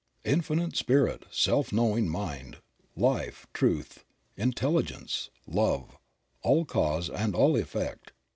— Infinite Spirit, self knowing Mind, Life, Truth, Intelligence, Love, All Cause and All Effect.